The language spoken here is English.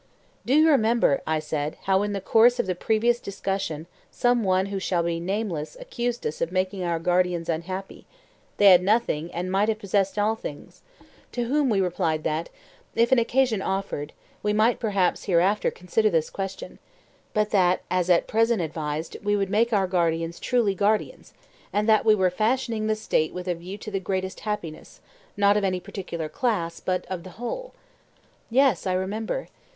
Do you remember, I said, how in the course of the previous discussion some one who shall be nameless accused us of making our guardians unhappy—they had nothing and might have possessed all things—to whom we replied that, if an occasion offered, we might perhaps hereafter consider this question, but that, as at present advised, we would make our guardians truly guardians, and that we were fashioning the State with a view to the greatest happiness, not of any particular class, but of the whole? Yes, I remember.